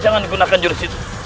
jangan digunakan jurus itu